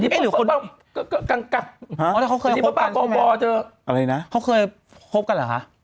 พี่โอ๋นถ้าสวยเนาะ